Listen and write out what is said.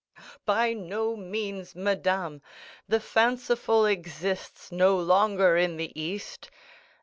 "By no means, madame; the fanciful exists no longer in the East.